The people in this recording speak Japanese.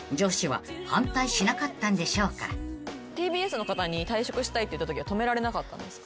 ＴＢＳの方に退職したいって言ったときは止められなかったんですか？